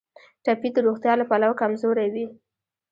ټپي د روغتیا له پلوه کمزوری وي.